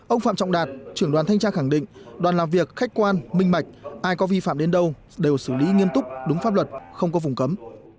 ông phạm trọng đạt trưởng đoàn thanh tra khẳng định đoàn làm việc khách quan minh bạch ai có vi phạm đến đâu đều xử lý nghiêm túc đúng pháp luật không có vùng cấm